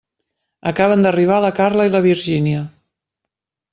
Acaben d'arribar la Carla i la Virgínia.